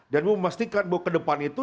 dan memastikan bahwa kedepan itu